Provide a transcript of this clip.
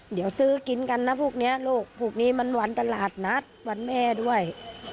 เดี๋ยวซื้อกินกันนะพวกนี้ลูกพวกนี้มันวันตลาดนัดวันแม่ด้วย